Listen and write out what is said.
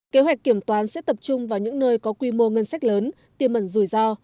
kế hoạch kiểm toán sẽ tập trung vào những nơi có quy mô ngân sách lớn tiềm mẩn rủi ro